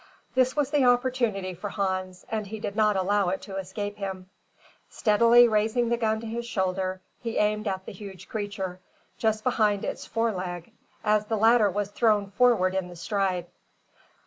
This was the opportunity for Hans, and he did not allow it to escape him. Steadily raising the gun to his shoulder, he aimed at the huge creature, just behind its fore leg, as the latter was thrown forward in the stride.